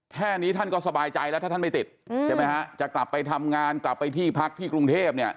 แท่นี้ท่านก็สบายใจแล้วถ้าท่านไปติดจะกลับไปทำงานกลับไปที่พักที่กรุงเทพฯ